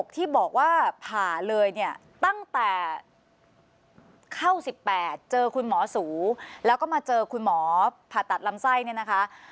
ที่บอกว่าผ่าเลยเนี่ยตั้งแต่เข้า๑๘เจอคุณหมอสูแล้วก็มาเจอคุณหมอผ่าตัดลำไส้เนี่ยนะคะ